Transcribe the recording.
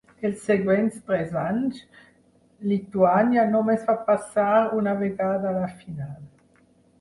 Els següents tres anys, Lituània només va passar una vegada a la final.